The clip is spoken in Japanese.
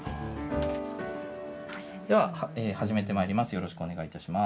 では始めてまいります。